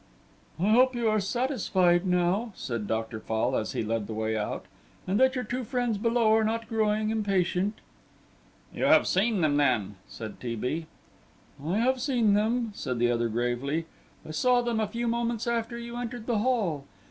"I hope you are satisfied now," said Dr. Fall as he led the way out, "and that your two friends below are not growing impatient." "You have seen them, then," said T. B. "I have seen them," said the other gravely. "I saw them a few moments after you entered the hall.